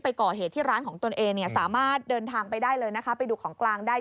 ไปก่อเหตุที่ร้านของตัวเองสามารถเดินทางไปดูของกลางได้